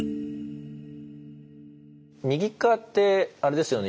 右側ってあれですよね